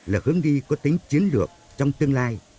là hướng đi có tính chiến lược trong tương lai